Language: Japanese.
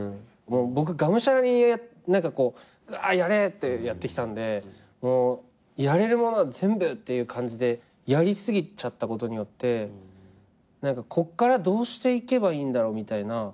僕がむしゃらに「やれ！」ってやってきたんでやれるものは全部っていう感じでやり過ぎちゃったことによってこっからどうしていけばいいんだろうみたいな。